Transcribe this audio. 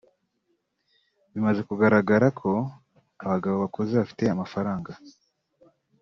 Bimaze kugaragara ko abagabo bakuze bafite amafaranga